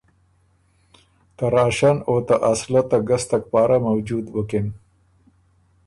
ته راشن او ته اسلحه ته ګستک پاره موجود بُکِن۔